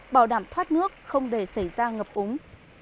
bảo đảm thoát nước không để xảy ra ngập úng